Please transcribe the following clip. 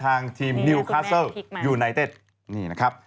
ให้กับทางทีมนิวคาซอลยูไนเต็ดนี่นะครับ